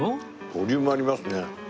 ボリュームありますね。